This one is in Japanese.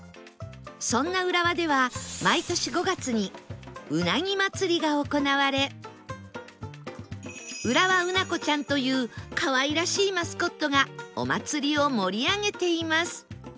そんな浦和では毎年５月にうなぎ祭りが行われ浦和うなこちゃんという可愛らしいマスコットがお祭りを盛り上げています